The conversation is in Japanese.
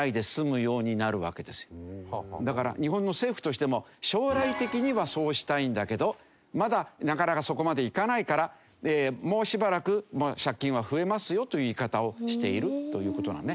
だから日本の政府としても将来的にはそうしたいんだけどまだなかなかそこまでいかないからもうしばらく借金は増えますよという言い方をしているという事なのね。